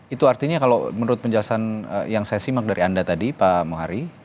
itu artinya kalau menurut penjelasan yang saya simak dari anda tadi pak mohari